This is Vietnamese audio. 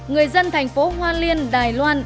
người dân thành phố hoa liên đài loan